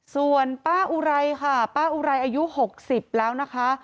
ส่วนป้าอุไรค่ะป้าอุไรอายุ๖๐แล้วนะคะ